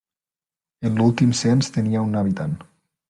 En l'últim cens tenia un habitant.